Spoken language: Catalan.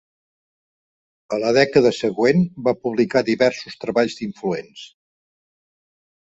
A la dècada següent, va publicar diversos treballs influents.